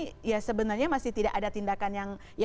sampai hari ini ya sebenarnya masih tidak ada tindakan yang benar